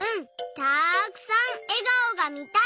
たくさんえがおがみたい。